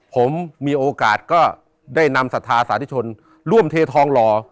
ผมมีโอกาสก็ได้นำศรัทธาสาธุชนร่วมเททองหล่อ